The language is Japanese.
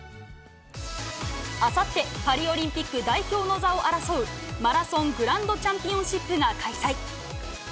あさって、パリオリンピック代表の座を争う、マラソングランドチャンピオンシップが開催。